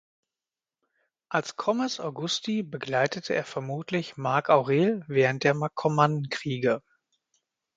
Als "comes Augusti" begleitete er vermutlich Mark Aurel während der Markomannenkriege.